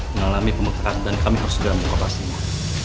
mengalami pemekatan dan kami harus sudah mengoperasinya